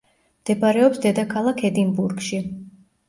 მდებარეობს დედაქალაქ ედინბურგში.